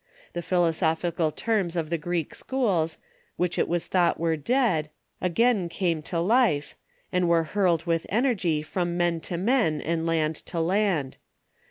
The philosophical terms of the Greek schools, Avhich it was thought were dead, again came to life, and were hurled with energy from men to men and land to land.